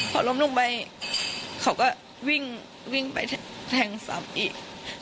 พอล้มลงไปเขาก็วิ่งไปแทงซ้ำอีก